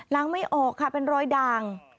ล้างไม่ออกค่ะเป็นรอยดาง